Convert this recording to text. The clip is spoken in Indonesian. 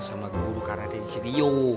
sama guru karate di studio